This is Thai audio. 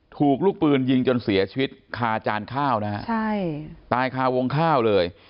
ถูกลูกปืนยิงจนเสียชีวิตคาจานข้าวนะฮะใช่ตายคาวงข้าวเลย